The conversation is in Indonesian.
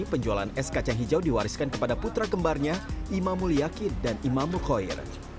penjualan es kacang hijau diwariskan kepada putra gembarnya imam mulyaqid dan imam muqayyir